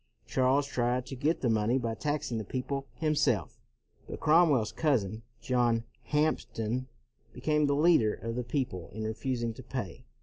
Charles tried to get the money by taxing the peo ple himself, but Cromwell's cousin, John Hampden, became the leader of the peo ple in refusing to pay.